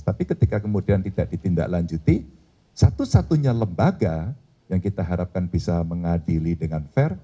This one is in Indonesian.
tapi ketika kemudian tidak ditindaklanjuti satu satunya lembaga yang kita harapkan bisa mengadili dengan fair